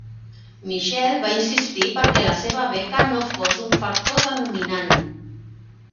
Mitchell va insistir perquè la seva beca no fos un factor denominant.